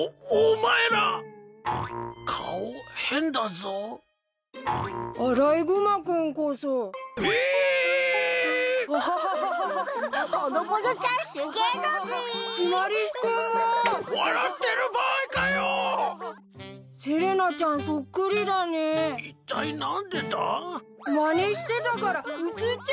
まねしてたからうつっちゃったんだよ。